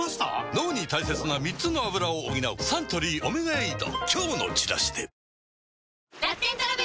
脳に大切な３つのアブラを補うサントリー「オメガエイド」